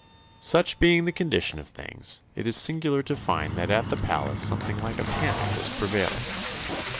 Such being the condition of things, it is singular to find that at the palace something like a panic was prevailing.